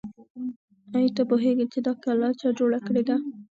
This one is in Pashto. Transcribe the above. آیا ته پوهېږې چې دا کلا چا جوړه کړې ده؟